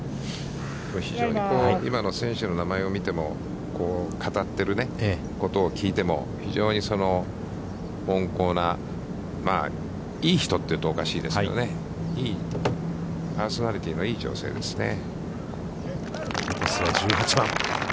非常にこう、今の選手の名前を見ても、語っていることを聞いても、非常に温厚な、いい人といったらおかしいですけど、パーソナリティーのいい女性ですね。